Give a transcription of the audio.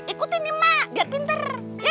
ikuti nih mak biar pinter